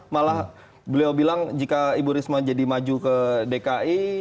malah beliau bilang jika ibu risma jadi maju ke dki